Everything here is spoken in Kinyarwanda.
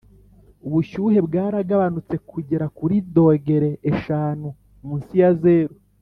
ubushyuhe bwaragabanutse kugera kuri dogere eshanu munsi ya zeru.